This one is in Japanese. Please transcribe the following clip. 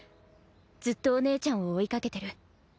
ずっとお姉ちゃんを追いかけてる。